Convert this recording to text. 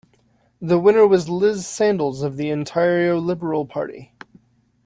The winner was Liz Sandals of the Ontario Liberal Party.